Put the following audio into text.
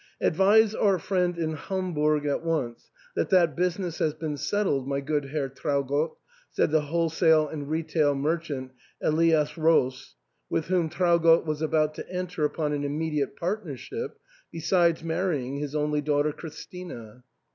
"Advise our friend in Hamburg at once that that business has been settled, my gooc} Herr Traugott," said the wholesale and retail merchant, Elias Roos, with whom Traugott was about to enter upon an immediate partnership, besides marry ing his only daughter, Christina.